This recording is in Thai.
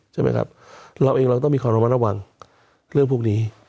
ใช่ไหมครับเราเองเราต้องมีความระมัดระวังเรื่องพวกนี้